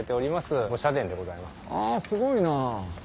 あすごいな。